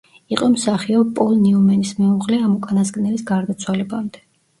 იყო მსახიობ პოლ ნიუმენის მეუღლე ამ უკანასკნელის გარდაცვალებამდე.